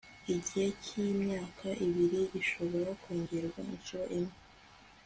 igihe cy'imyaka ibiri gishobora kongerwa inshuro imwe